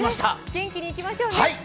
元気にいきましょうね。